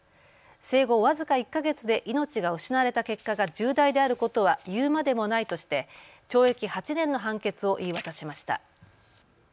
生後僅か１か月で命が失われた結果が重大であることはいうまでもないとして懲役８年の判決を言い渡しました。